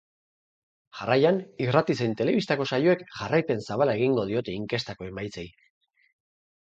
Jarraian, irrati zein telebistako saioek jarraipen zabala egingo diote inkestako emaitzei.